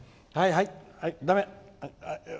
はい、だめ！